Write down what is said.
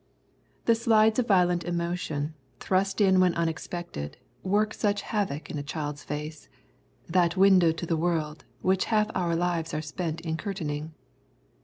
The slides of violent emotion, thrust in when unexpected, work such havoc in a child's face, that window to the world which half our lives are spent in curtaining!